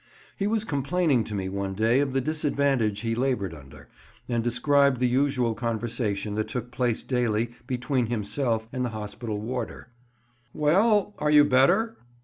He was complaining to me one day of the disadvantage he laboured under, and described the usual conversation that took place daily between himself and the hospital warder. "Well, are you better?"